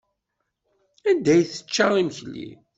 Anda ay tečča imekli?